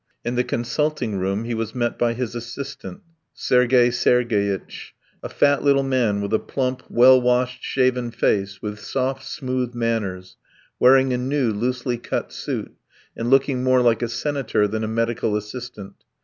In the consulting room he was met by his assistant, Sergey Sergeyitch a fat little man with a plump, well washed shaven face, with soft, smooth manners, wearing a new loosely cut suit, and looking more like a senator than a medical assistant.